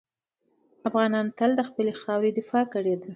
افغانانو تل د خپلې خاورې دفاع کړې ده.